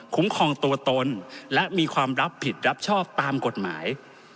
ครองตัวตนและมีความรับผิดรับชอบตามกฎหมาย